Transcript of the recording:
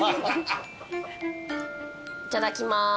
いただきます。